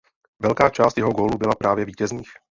Velká část jeho gólů byla právě vítězných.